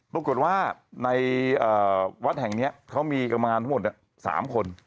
รูปกรณ์ว่าในวัดแห่งนี้เขามีกรรมการทั้งหมด๓คน